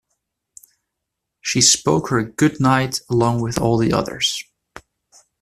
She spoke her good-night along with all the others.